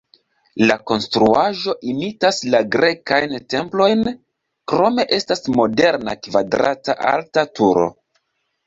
La konstruaĵo imitas la grekajn templojn, krome estas moderna kvadrata alta turo.